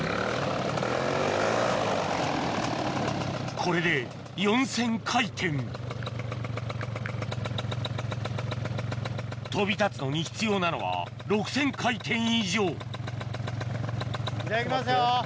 これで４０００回転飛び立つのに必要なのは６０００回転以上じゃあ行きますよ。